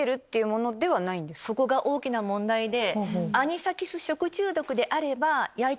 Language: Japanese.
そこが大きな問題で。